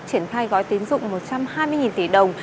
triển khai gói tín dụng một trăm hai mươi tỷ đồng